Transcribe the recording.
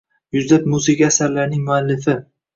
yuzlab musiqiy asarlarning muallifi